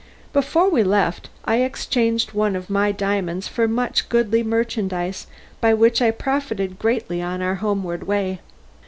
Before we left I exchanged one of my diamonds for much goodly merchandise by which I profited greatly on our homeward way.